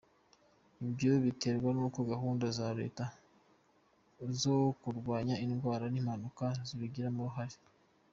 Ibyo biterwa n’uko gahunda za Leta zo kurwanya indwara n’impanuka zibigiramo uruhare.